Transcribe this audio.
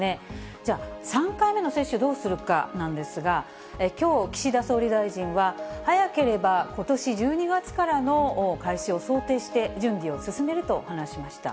じゃあ、３回目の接種どうするかなんですが、きょう、岸田総理大臣は、早ければ、ことし１２月からの開始を想定して準備を進めると話しました。